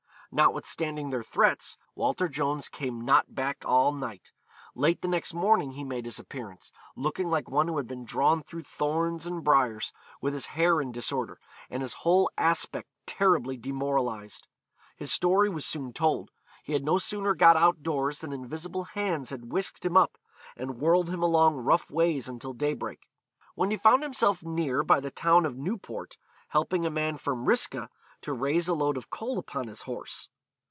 Notwithstanding their threats, Walter Jones came not back all night. Late the next morning he made his appearance, looking like one who had been drawn through thorns and briars, with his hair in disorder, and his whole aspect terribly demoralised. His story was soon told. He had no sooner got out doors than invisible hands had whisked him up, and whirled him along rough ways until daybreak, when he found himself near by the town of Newport, helping a man from Risca to raise a load of coal upon his horse.